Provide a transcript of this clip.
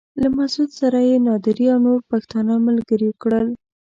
له مسعود سره يې نادري او نور پښتانه ملګري کړل.